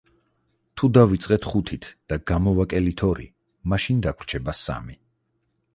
თუ დავიწყეთ ხუთით და გამოვაკელით ორი, მაშინ დაგვრჩება სამი.